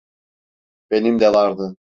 Benim de vardı.